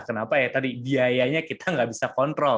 kenapa ya tadi biayanya kita nggak bisa kontrol